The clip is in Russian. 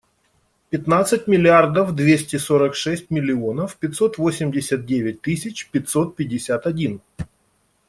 Пятнадцать миллиардов двести сорок шесть миллионов пятьсот восемьдесят девять тысяч пятьсот пятьдесят один.